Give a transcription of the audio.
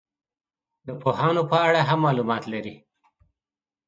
د پوهانو په اړه هم معلومات لري.